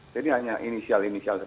jadi hanya inisial inisial